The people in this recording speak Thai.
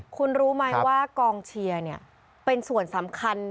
คุณรู้ไหมว่ากองเชียร์เป็นส่วนสำคัญ